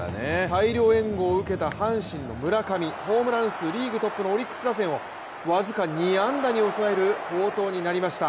大量援護を受けた阪神の村上ホームラン数リーグトップのオリックス打線を僅か２安打に抑える好投になりました。